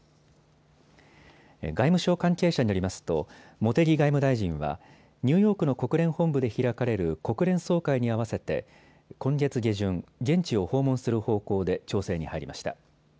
外務省関係者によりますと茂木外務大臣はニューヨークの国連本部で開かれる国連総会に合わせて今月下旬、現地を訪問する方向で調整に入りました。